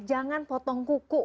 jangan potong kuku